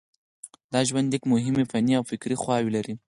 دا ژوندلیک مهمې فني او فکري خواوې لري.